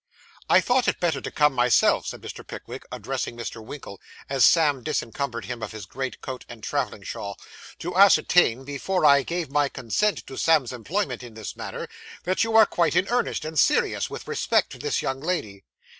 'I thought it better to come myself,' said Mr. Pickwick, addressing Mr. Winkle, as Sam disencumbered him of his great coat and travelling shawl, 'to ascertain, before I gave my consent to Sam's employment in this matter, that you are quite in earnest and serious, with respect to this young lady.